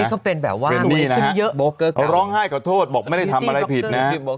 เขาเป็นแบบว่าเบอร์เกอร์เขาร้องไห้ขอโทษบอกไม่ได้ทำอะไรผิดนะ